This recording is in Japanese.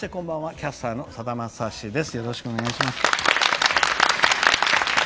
キャスターのさだまさしです。